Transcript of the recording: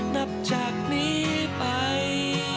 นับจากนี้ไป